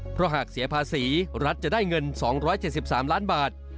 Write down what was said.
เพราะหากเสียภาษีรัฐจะได้เงิน๒๗๓ล้านบาท